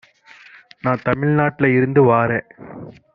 நான் தமிழ்நாட்டுல இருந்து வாரேன்.